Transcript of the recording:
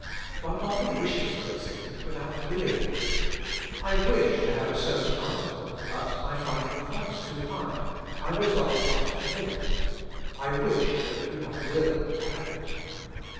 One often wishes for a thing without willing it. I wish to have a certain article, but I find the price too high ; I resolve not to take it ; I wish, but do not will to have it.